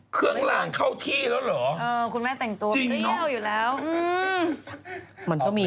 เครื่องรางเข้าที่แล้วเหรอ